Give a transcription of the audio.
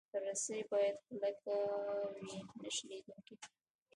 رسۍ باید کلکه وي، نه شلېدونکې.